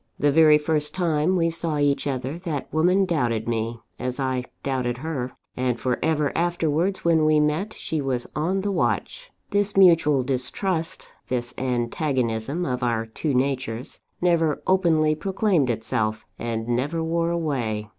The very first time we saw each other, that woman doubted me, as I doubted her; and for ever afterwards, when we met, she was on the watch. This mutual distrust, this antagonism of our two natures, never openly proclaimed itself, and never wore away.